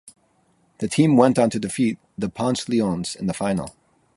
The team went on to defeat the Ponce Lions in the final.